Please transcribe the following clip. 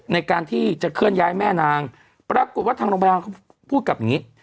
ในการที่จะเคลื่อนย้ายแม่นางปรากฏว่าทางโรงพยาบาลเขาพูดกับอย่างนี้